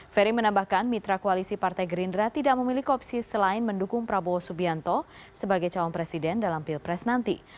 ferry menambahkan mitra koalisi partai gerindra tidak memilih opsi selain mendukung prabowo subianto sebagai calon presiden dalam pilpres nanti